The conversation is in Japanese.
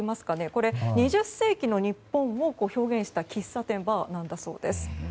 これ、２０世紀の日本を表現した喫茶店、バーだそうです。